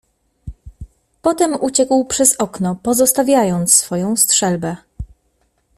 "Potem uciekł przez okno, pozostawiając swoją strzelbę."